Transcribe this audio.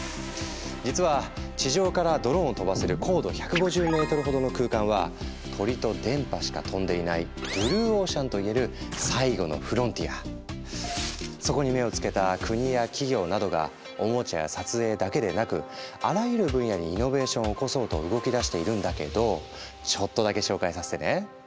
実は地上からドローンを飛ばせる高度１５０ｍほどの空間は鳥と電波しか飛んでいないブルーオーシャンといえるそこに目を付けた国や企業などがおもちゃや撮影だけでなくあらゆる分野にイノベーションを起こそうと動きだしているんだけどちょっとだけ紹介させてね。